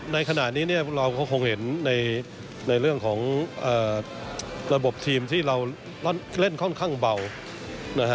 ในขณะนี้เนี่ยพวกเราก็คงเห็นในเรื่องของระบบทีมที่เราเล่นค่อนข้างเบานะฮะ